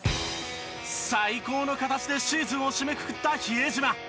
最高の形でシーズンを締めくくった比江島。